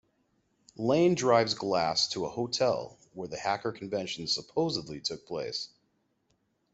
Lane drives Glass to a hotel where the hacker convention supposedly took place.